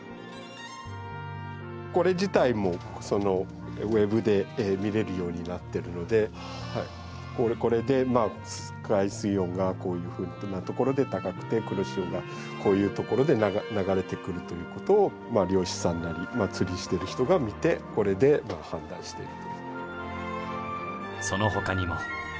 これ自体もウェブで見れるようになっているのでこれで海水温がこういうふうなところで高くて黒潮がこういうところで流れてくるということを漁師さんなり釣りしてる人が見てこれで判断している。